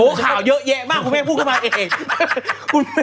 ข่าวเยอะแยะมากคุณแม่พูดขึ้นมาเอง